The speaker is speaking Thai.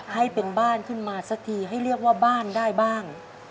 ให้เป็นบ้านขึ้นมาสักทีให้เรียกว่าบ้านได้บ้าง